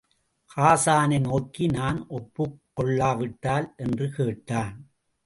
ஹாஸானை நோக்கி, நான் ஒப்புக் கொள்ளாவிட்டால்? என்று கேட்டான்.